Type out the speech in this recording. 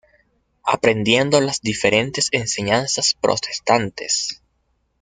Aprendiendo las diferentes enseñanzas protestantes.